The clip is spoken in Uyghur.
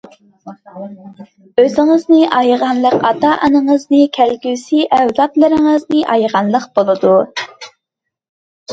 ئۆزىڭىزنى ئايىغانلىقى ئاتا-ئانىڭىزنى، كەلگۈسى ئەۋلادلىرىڭىزنى ئايىغانلىق بولىدۇ.